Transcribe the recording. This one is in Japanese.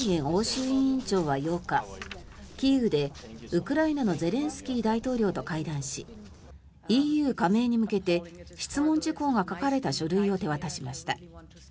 欧州委員長は８日キーウでウクライナのゼレンスキー大統領と会談しＥＵ加盟に向けて質問事項が書かれた書類を手渡しました。